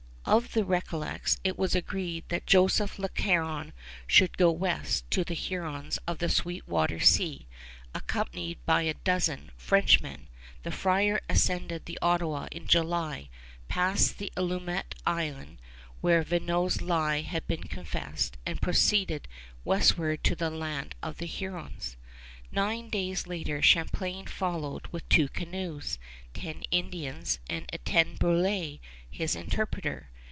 Of the Recollets, it was agreed that Joseph le Caron should go west to the Hurons of the Sweet Water Sea. Accompanied by a dozen Frenchmen, the friar ascended the Ottawa in July, passed that Allumette Island where Vignau's lie had been confessed, and proceeded westward to the land of the Hurons. Nine days later Champlain followed with two canoes, ten Indians, and Etienne Brulé, his interpreter.